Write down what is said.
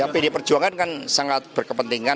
pdi perjuangan kan sangat berkepentingan